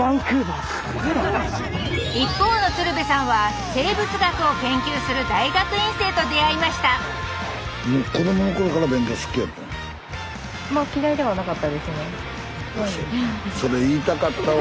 一方の鶴瓶さんは生物学を研究する大学院生と出会いましたそれ言いたかったわ。